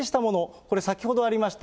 これ、先ほどありました